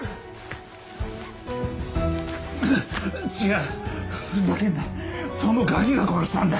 違うふざけるなそのガキが殺したんだ。